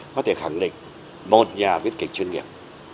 có thể khẳng định một nhà viết kịch chuyên nghiệp